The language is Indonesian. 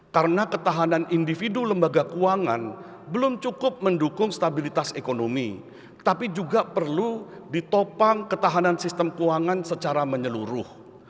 karena ketahanan individu lembaga keuangan belum cukup mendukung stabilitas ekonomi tapi juga perlu ditopang ketahanan sistem keuangan secara menyeluruh